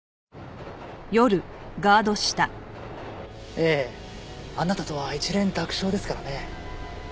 ええあなたとは一蓮托生ですからね。